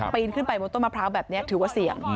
นขึ้นไปบนต้นมะพร้าวแบบนี้ถือว่าเสี่ยง